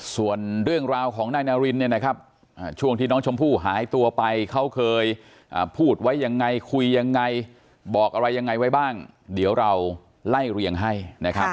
ส่วนเรื่องราวของนายนารินเนี่ยนะครับช่วงที่น้องชมพู่หายตัวไปเขาเคยพูดไว้ยังไงคุยยังไงบอกอะไรยังไงไว้บ้างเดี๋ยวเราไล่เรียงให้นะครับ